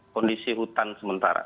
kondisi hutan sementara